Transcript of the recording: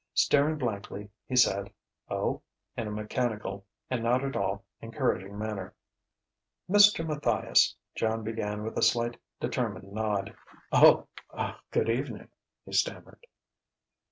Staring blankly, he said "Oh?" in a mechanical and not at all encouraging manner. "Mr. Matthias " Joan began with a slight, determined nod. "Oh good evening," he stammered.